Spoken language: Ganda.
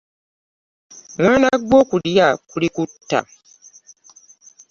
Mwana gwe okulya kulikutta .